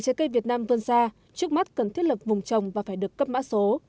trái cây việt nam là nước nhiệt đới có chất lượng vùng trồng và phải được cấp mã số